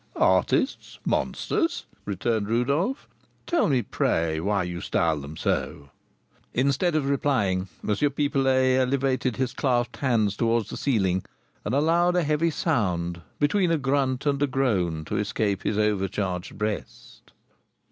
"Artists, monsters!" returned Rodolph. "Tell me, pray, why you style them so." Instead of replying, M. Pipelet elevated his clasped hands towards the ceiling, and allowed a heavy sound, between a grunt and a groan, to escape his overcharged breast.